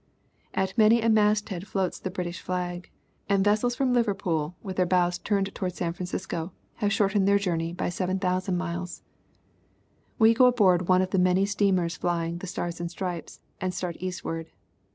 At many a masthead floats the British flag, and vessels from Liverpool, with their bows turned towards San Francisco, have shortened their journey by 7000 miles." " We go aboard one of the many steamers flying the " stars and stripes " and start eastward.